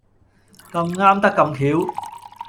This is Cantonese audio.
咁啱得咁橋